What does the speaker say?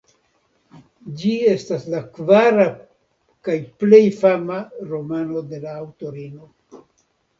Ĝi estas la kvara kaj plej fama romano de la aŭtorino.